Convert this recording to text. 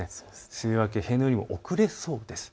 梅雨明け、平年よりも遅れそうです。